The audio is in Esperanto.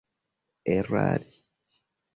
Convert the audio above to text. erari